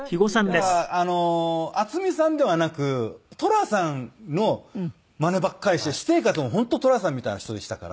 だから渥美さんではなく寅さんのマネばっかりして私生活も本当寅さんみたいな人でしたから。